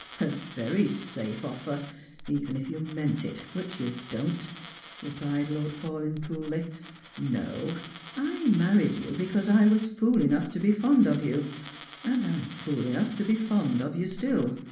" A very safe offer — even if you meant it, which you don't," answered Lord Paulyn coolly. " No, I married you because I was fool enough to be fond of you, and I'm fool enough to be fond of you still.